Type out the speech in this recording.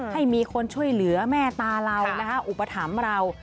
ให้มีคนช่วยเหลือแม่ตาเรานะคะอุปถัมภ์เรา